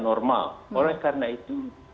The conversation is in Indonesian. normal oleh karena itu